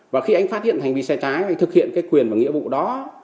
và khi anh phát hiện hành vi sai trái anh thực hiện cái quyền và nghĩa vụ đó